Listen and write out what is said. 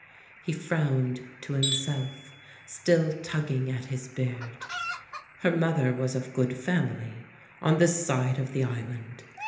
He frowned to himself, still tugging at his beard. 'Her mother was of good family, on this side of the island.